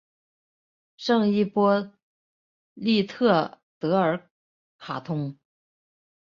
圣伊波利特德卡通。